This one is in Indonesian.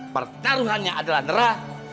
pertaruhannya adalah nerah